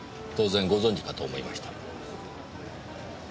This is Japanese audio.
当然ご存じかと思いました。